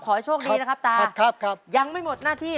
ขอให้โชคดีนะครับตายังไม่หมดหน้าที่